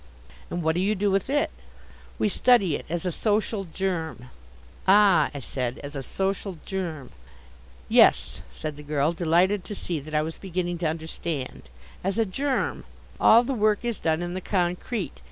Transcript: "And what do you do with it?" "We study it as a Social Germ." "Ah," I said, "as a Social Germ." "Yes," said the girl, delighted to see that I was beginning to understand, "as a Germ. All the work is done in the concrete.